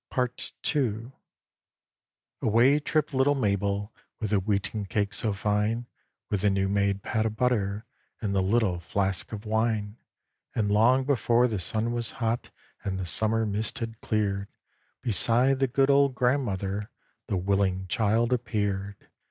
PART II Away tripped little Mabel, With the wheaten cake so fine, With the new made pat of butter, And the little flask of wine. And long before the sun was hot, And the Summer mist had cleared, Beside the good old grandmother The willing child appeared.